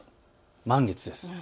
満月です。